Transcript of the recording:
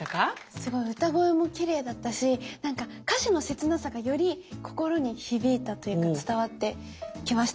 すごい歌声もきれいだったしなんか歌詞の切なさがより心に響いたというか伝わってきました。